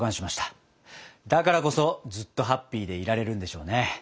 だからこそずっとハッピーでいられるんでしょうね。